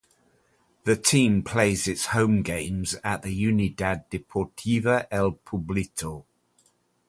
The team plays its home games at the Unidad Deportiva El Pueblito.